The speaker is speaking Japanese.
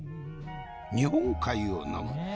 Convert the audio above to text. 日本海を呑む。